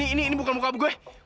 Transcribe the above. ini ini bukan muka gue